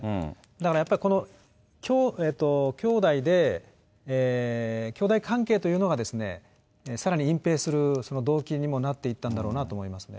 だからやっぱり、きょうだいできょうだい関係というのがさらに隠蔽する動機にもなっていったんだろうなと思いますね。